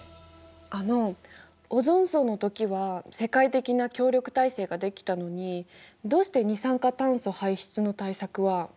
あのオゾン層の時は世界的な協力体制ができたのにどうして二酸化炭素排出の対策はあんまりうまくいってないんですか？